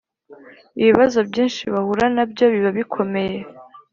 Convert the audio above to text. ibibazo byinshi bahura na byo biba bikomeye